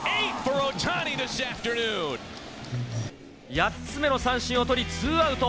８つ目の三振をとり２アウト。